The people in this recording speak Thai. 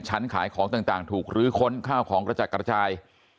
ขายของต่างถูกลื้อค้นข้าวของกระจัดกระจาย